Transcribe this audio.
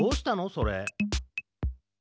それ。